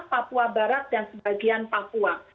papua barat dan sebagian papua